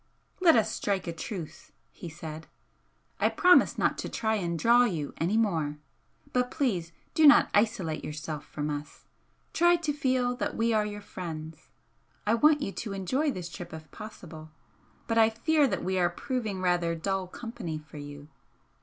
"Let us strike a truce!" he said "I promise not to try and 'draw' you any more! But please do not isolate yourself from us, try to feel that we are your friends. I want you to enjoy this trip if possible, but I fear that we are proving rather dull company for you.